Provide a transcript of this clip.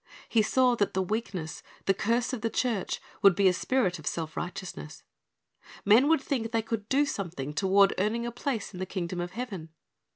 He saw that the weakness, the curse of the church, would be a spirit of self righteousness. Men would thinl: they could do something toward earning a place in the kingdom of heaven.